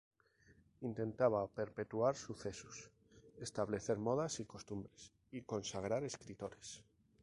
Intentaba perpetuar sucesos, establecer modas y costumbres y consagrar escritores.